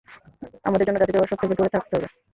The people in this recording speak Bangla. আমাদের অন্য জাতিদের এসব থেকে দূরে রাখতে হবে।